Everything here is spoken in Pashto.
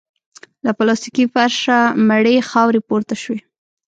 له پلاستيکي فرشه مړې خاورې پورته شوې.